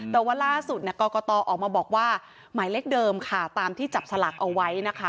แต่ว่าล่าสุดกรกตออกมาบอกว่าหมายเลขเดิมค่ะตามที่จับสลากเอาไว้นะคะ